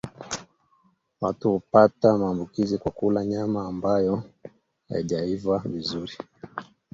Watu hupata maambukizi kwa kula nyama ambayo haijaiva vizuri